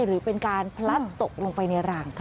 หรือเป็นการพลัดตกลงไปในรางค่ะ